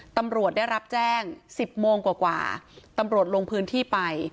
ตำรวจได้รับแจ้ง๑๐โมงกว่าตำรวจลงพื้นที่ไป